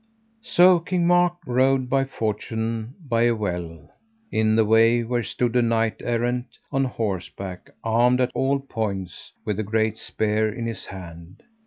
So King Mark rode by fortune by a well, in the way where stood a knight errant on horseback, armed at all points, with a great spear in his hand.